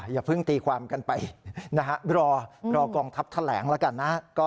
อย่าเพิ่งตีความกันไปนะฮะรอกองทัพแถลงแล้วกันนะ